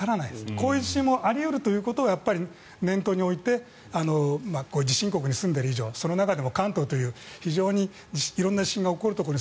こういう地震もあり得るということを念頭に置いて地震国に住んでいる以上その中でも関東という非常に色んな地震が起こるところに